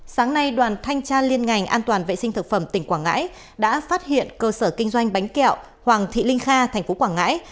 sáng nay đoàn thanh tra liên ngành an toàn vệ sinh thực phẩm tỉnh quảng ngãi đã phát hiện cơ sở kinh doanh bánh kẹo hoàng thị linh kha tp quảng ngãi